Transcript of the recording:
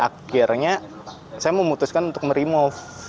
akhirnya saya memutuskan untuk merimove